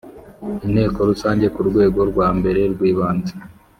Inteko Rusange Ku rwego rwambere rwibanze